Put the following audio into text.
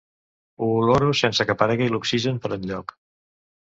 Ho oloro sense que aparegui l'oxigen per enlloc.